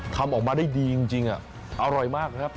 ทำออกมาได้ดีจริงอร่อยมากครับ